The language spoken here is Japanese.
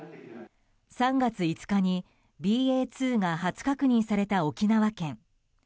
３月５日にＢＡ．２が初確認された沖縄県。